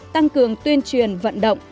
tăng cường tuyên truyền vận động